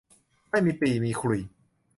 ไม่มีปี่มีขลุ่ย